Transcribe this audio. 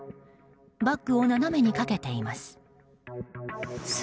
バッグを斜めにかけています。